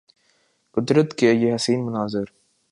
قدرت کے یہ حسین مناظر